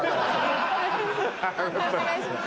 判定お願いします。